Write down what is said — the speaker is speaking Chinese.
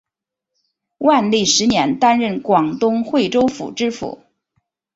万历十年担任广东惠州府知府。